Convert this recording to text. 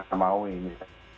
tidak mau ini